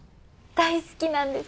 大好きなんです。